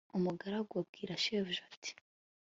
umugaragu abwira shebuja, ati